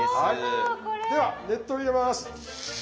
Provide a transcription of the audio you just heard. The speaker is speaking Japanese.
では熱湯を入れます。